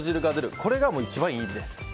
これが一番いいんで。